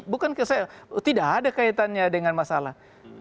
bukan ke saya tidak ada kaitannya dengan masalah